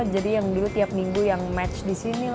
jadi yang dulu tiap minggu yang match disini